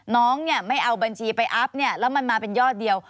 น้องไม่เอาบัญชีไปอัพแล้วมันมาเป็นยอดเดียว